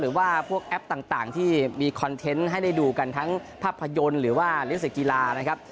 หรือว่าพวกแอปต่างที่มีคอนเทนต์ให้ได้ดูกันทั้งภาพยนตร์หรือว่าลิขสิทธิ์กีฬานะครับ